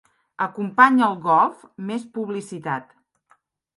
Acompanya el Golf més publicitat.